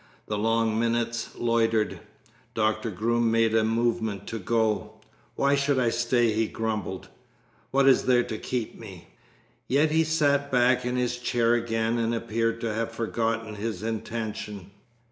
The long minutes loitered. Doctor Groom made a movement to go. "Why should I stay?" he grumbled. "What is there to keep me?" Yet he sat back in his chair again and appeared to have forgotten his intention.